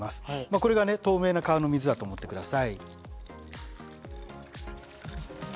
これが透明な川の水だと思って下さい。